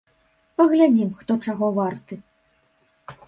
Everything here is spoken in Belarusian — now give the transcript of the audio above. Паглядзім, хто чаго варты!